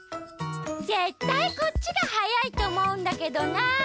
ぜったいこっちがはやいとおもうんだけどな。